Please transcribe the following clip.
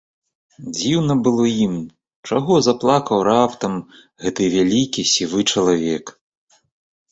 Дзіўна было ім, чаго заплакаў раптам гэты вялікі сівы чалавек.